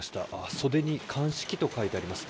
袖に「鑑識」と書いてあります。